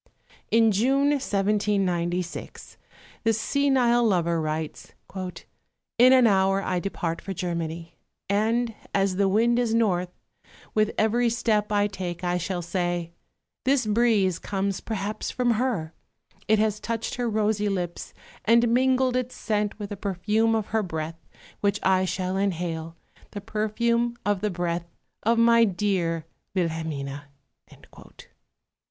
In June, 1796, this senile lover writes, "In an hour I depart for Germany; and, as the wind is north, with every step I take I shall say: 'This breeze comes perhaps from her; it has touched her rosy lips and mingled its scent with the perfume of her breath which I shall inhale, the perfume of the breath of my dear Wilhelmine.'"